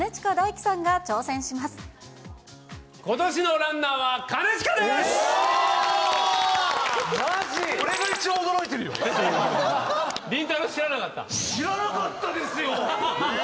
知らなかったですよ。